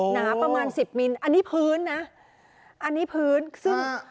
หนาประมาณสิบมิลอันนี้พื้นนะอันนี้พื้นซึ่ง